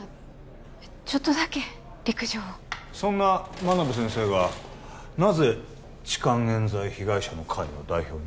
ちょっとだけ陸上をそんな真鍋先生がなぜ痴漢冤罪被害者の会の代表に？